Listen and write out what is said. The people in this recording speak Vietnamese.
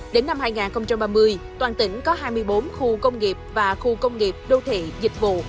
đến năm hai nghìn ba mươi toàn tỉnh có hai mươi bốn khu công nghiệp và khu công nghiệp đô thị dịch vụ